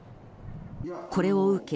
これを受け